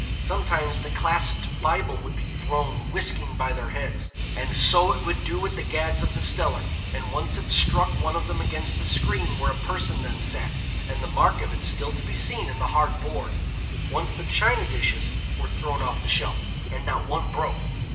Sometimes the clasped Bible would be thrown whisking by their heads; and 'so it would do with the gads of the steller, and once it struck one of them against the screen where a person then sat, and the mark of it still to be seen in the hard board.' Once the china dishes were thrown off the shelf, and not one broke.